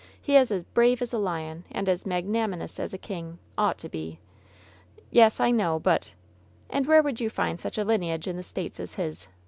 He is as brave as a lion, and as mag nanimous as a king — ought to be !" "Yes, I know, but '' "And where would you find such a lineage in the State as his